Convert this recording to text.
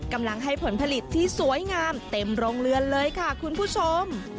กำลังให้ผลผลิตที่สวยงามเต็มโรงเรือนเลยค่ะคุณผู้ชม